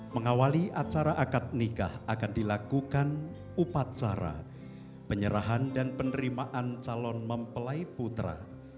mengawali acara akad nikah akan dilakukan upacara penyerahan dan penerimaan calon mempelai putra